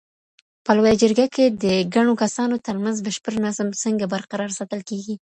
په لویه جرګه کي د ګڼو کسانو ترمنځ بشپړ نظم څنګه برقرار ساتل کیږي؟